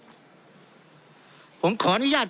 เพราะเรามี๕ชั่วโมงครับท่านนึง